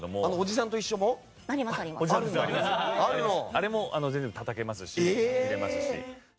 あれも全然たたけますし見れますし。